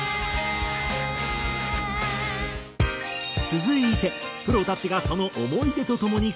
続いてプロたちがその思い出とともに語る